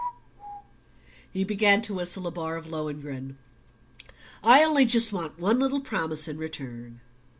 He began to whistle a bar of Lohengrin. "I only just want one little promise in return."